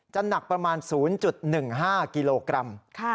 หนักประมาณ๐๑๕กิโลกรัม